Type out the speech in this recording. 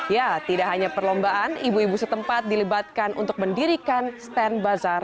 ya tidak hanya perlombaan ibu ibu setempat dilibatkan untuk mendirikan stand bazar